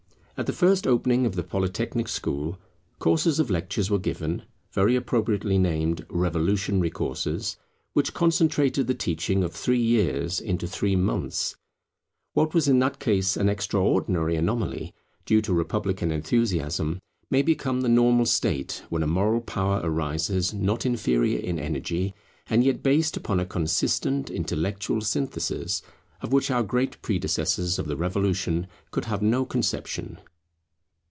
At the first opening of the Polytechnic School, courses of lectures were given, very appropriately named Revolutionary Courses, which concentrated the teaching of three years into three months. What was in that case an extraordinary anomaly, due to republican enthusiasm, may become the normal state when a moral power arises not inferior in energy, and yet based upon a consistent intellectual synthesis, of which our great predecessors of the Revolution could have no conception.